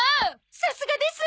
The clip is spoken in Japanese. さすがです！